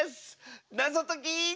なぞとき。